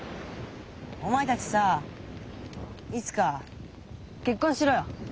お前たちさいつか結婚しろよ。